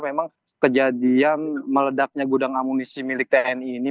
memang kejadian meledaknya gudang amunisi milik tni ini